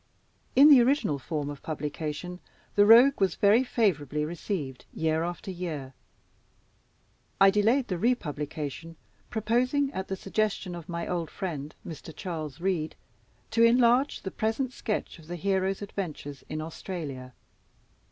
_ In the original form of publication the Rogue was very favorably received. Year after year, I delayed the republication, proposing, at the suggestion of my old friend, Mr. Charles Reade, to enlarge the present sketch of the hero's adventures in Australia.